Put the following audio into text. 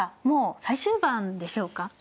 もう最終盤でしょうか。